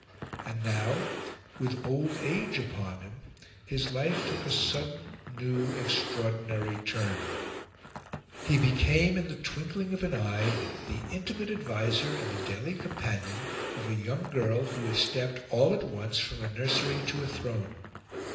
And now, with old age upon him, his life took a sudden, new, extraordinary turn. He became, in the twinkling of an eye, the intimate adviser and the daily companion of a young girl who had stepped all at once from a nursery to a throne.